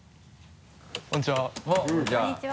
こんにちは。